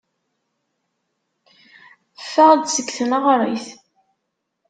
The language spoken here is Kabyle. Ffeɣ-d seg tneɣrit.